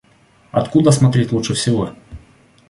Откуда смотреть лучше всего?